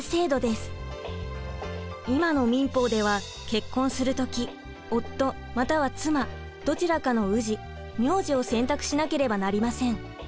今の民法では結婚する時夫または妻どちらかの「氏」名字を選択しなければなりません。